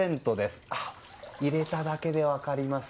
入れただけで分かります。